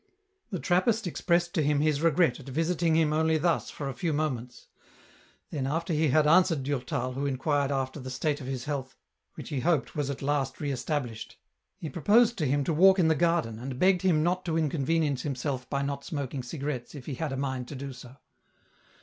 The Trappist expressed to him his regret at visiting him only thus for a few moments ; then after he had answered Durtal, who inquired after the state of his health, which he hoped was at last re established, he proposed to 29? BN ROUTE. him to walk in the garden, and begged him not to incon venience himself by not smoking cigarettes if he had a mind to do so.